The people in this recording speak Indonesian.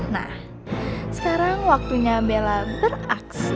nah sekarang waktunya bella beraksi